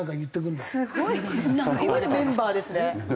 すごいすごいメンバーですね！